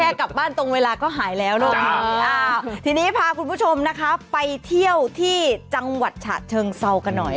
กลับบ้านตรงเวลาก็หายแล้วลูกทีนี้พาคุณผู้ชมนะคะไปเที่ยวที่จังหวัดฉะเชิงเซากันหน่อย